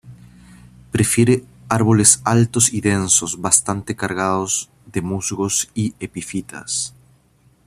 Prefiere árboles altos y densos, bastante cargados de musgos y epífitas.